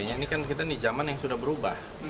ini kan kita di zaman yang sudah berubah